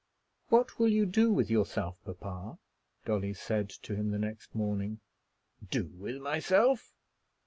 "What will you do with yourself, papa?" Dolly said to him the next morning. "Do with myself?"